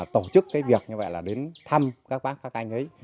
tổ chức cái việc như vậy là đến thăm các bác các anh ấy